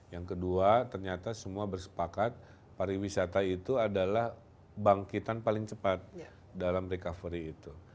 yang kedua ternyata semua bersepakat pariwisata itu adalah bangkitan paling cepat dalam recovery itu